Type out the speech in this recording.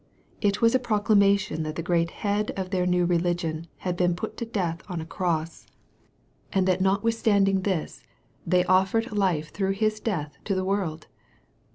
It was a proclamation that the great Head of their new religion had been put to death on a cross, and that MARK, CHAP. IV. 79 notwithstanding this, they offered life through His death to the world